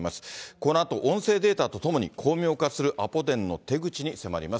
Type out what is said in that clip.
このあと音声データとともに、巧妙化するアポ電の手口に迫ります。